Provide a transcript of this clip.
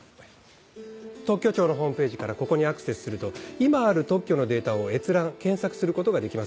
特許庁のホームページからここにアクセスすると今ある特許のデータを閲覧検索することができます。